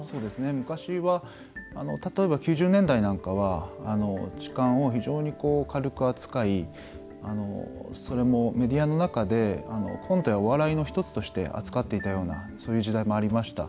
昔は例えば９０年代なんかは痴漢を非常に軽く扱いそれもメディアの中でコントやお笑いの１つとして扱っていたようなそういう時代もありました。